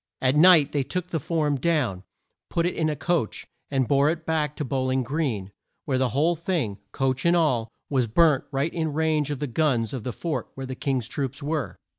At night they took the form down, put it in a coach, and bore it back to Bow ling Green, where the whole thing coach and all was burnt right in range of the guns of the fort where the King's troops were.